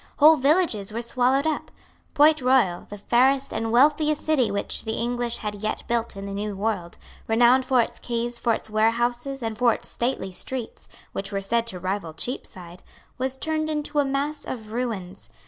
Whole villages were swallowed up. Port Royal, the fairest and wealthiest city which the English had yet built in the New World, renowned for its quays, for its warehouses, and for its stately streets, which were said to rival Cheapside, was turned into a mass of ruins.